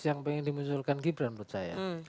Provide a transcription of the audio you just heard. yang ingin dimunculkan gibran menurut saya